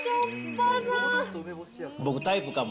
僕、タイプかも。